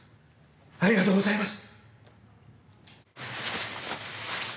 ありがとうございます！